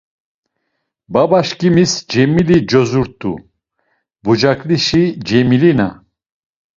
Babaçkimis Cemili codzut̆u, Bucaklişi Cemilina.